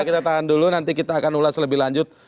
kita tahan dulu nanti kita akan ulas lebih lanjut